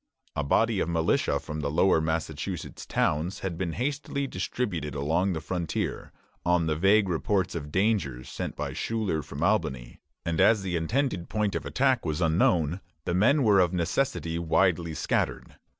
A body of militia from the lower Massachusetts towns had been hastily distributed along the frontier, on the vague reports of danger sent by Schuyler from Albany; and as the intended point of attack was unknown, the men were of necessity widely scattered.